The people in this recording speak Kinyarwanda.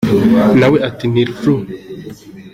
Na we ati « Ni Ru ».